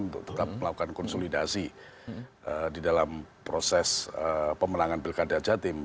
untuk tetap melakukan konsolidasi di dalam proses pemenangan pilkada jatim